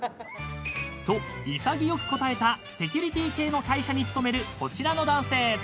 ［と潔く答えたセキュリティー系の会社に勤めるこちらの男性］